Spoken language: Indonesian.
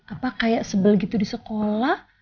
apa kayak sebel gitu di sekolah